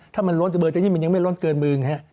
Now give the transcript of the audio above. ถ้ามันล้นเบอร์เต็มที่มันยังไม่ล้นเกินมืออย่างนี้